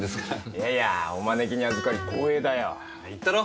いやいやお招きにあずかり光栄だよ。言ったろ？